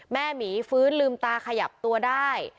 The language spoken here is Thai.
หมีฟื้นลืมตาขยับตัวได้